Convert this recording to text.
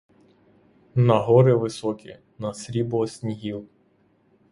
На гори високі, на срібло снігів!